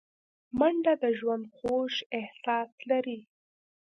منډه د ژوند خوږ احساس لري